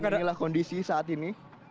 dan inilah kondisi saat ini